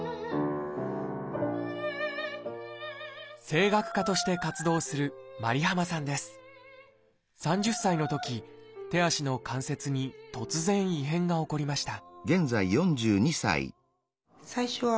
声楽家として活動する３０歳のとき手足の関節に突然異変が起こりました